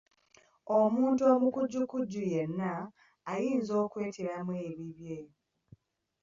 Omuntu omukujjukujju yenna ayinza okweteeramu ebibye.